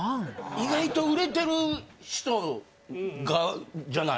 意外と売れてる人がじゃない？